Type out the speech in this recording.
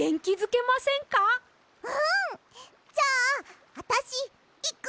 うん！じゃああたしいく！